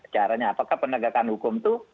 caranya apakah penegakan hukum itu